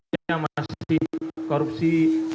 yang masih korupsi